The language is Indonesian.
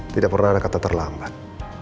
tidak pernah ada kata terlambat